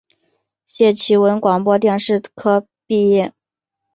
谢其文广播电视科毕业。